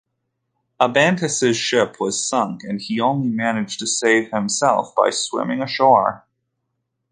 Abantus' ship was sunk and he only managed to save himself by swimming ashore.